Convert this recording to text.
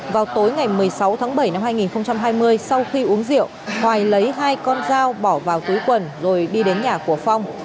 vào tối ngày một mươi sáu tháng bảy năm hai nghìn hai mươi sau khi uống rượu hoài lấy hai con dao bỏ vào túi quần rồi đi đến nhà của phong